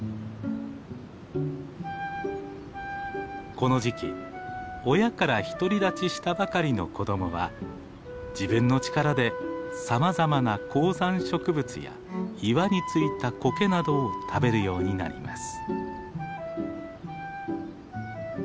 この時期親から独り立ちしたばかりの子供は自分の力でさまざまな高山植物や岩に付いたこけなどを食べるようになります。